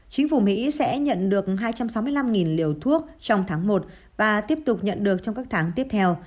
chính phủ mỹ sẽ nhận được hai trăm sáu mươi năm liều thuốc trong tháng một và tiếp tục nhận được trong các tháng tiếp theo